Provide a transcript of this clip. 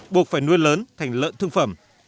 buộc phải nuôi lớn thành lợn thương phẩm